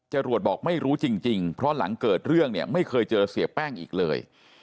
จรวดบอกไม่รู้จริงเพราะหลังเกิดเรื่องเนี่ยไม่เคยเจอเสียแป้งอีกเลย